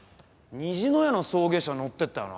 虹の屋の送迎車乗っていったよな？